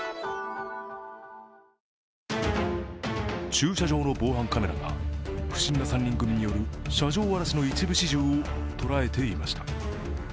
駐車場の防犯カメラが不審な３人組による車上荒らしの一部始終を捉えていました。